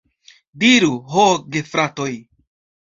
Diru, ho gefratoj!